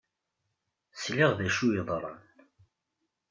Sliɣ d acu yeḍran.